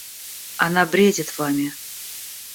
Она бредит вами.